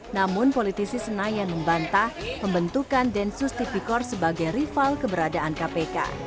namun politisi senayan membantah pembentukan densus tipikor sebagai rival keberadaan kpk